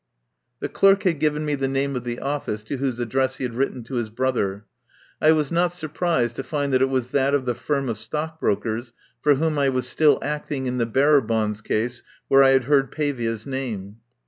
The clerk had given me the name of the office to whose address he had written to his brother. I was not surprised to find that it was that of the firm of stockbrokers for whom I was still acting in the bearer bonds case where I had heard Pavia's name.